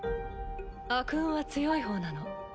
悪運は強い方なの。